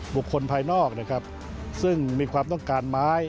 บุคคลภายนอกนะครับซึ่งมีความต้องการไม้